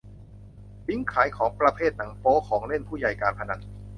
ลิงก์ขายของประเภทหนังโป๊ ของเล่นผู้ใหญ่ การพนัน